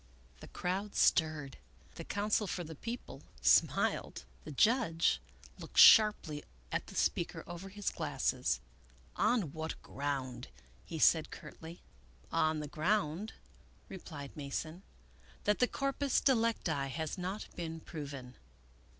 The crowd stirred. The counsel for the People smiled. The judge looked sharply at the speaker over his glasses. " On what ground ?" he said curtly. " On the ground," repUed Mason, " that the corpus delicti has not been proven."